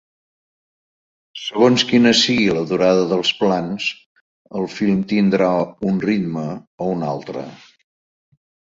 Segons quina sigui la durada dels plans, el film tindrà un ritme o un altre.